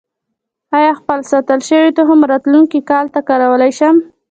آیا خپل ساتل شوی تخم راتلونکي کال ته کارولی شم؟